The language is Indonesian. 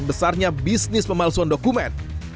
besarnya bisnis pemalsuan dokumen